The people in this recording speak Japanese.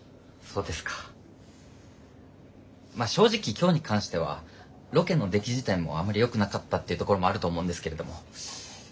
まぁ正直今日に関してはロケの出来自体もあんまりよくなかったっていうところもあると思うんですけれども。